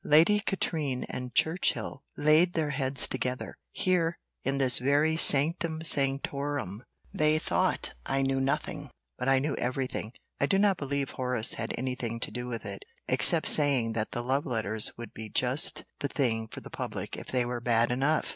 Lady Katrine and Churchill laid their heads together; here, in this very sanctum sanctorum. They thought I knew nothing, but I knew every thing. I do not believe Horace had anything to do with it, except saying that the love letters would be just the thing for the public if they were bad enough.